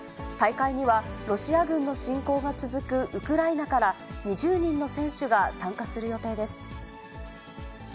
大会には、ロシア軍の侵攻が続くウクライナから、２０人の選手が参加する予定です。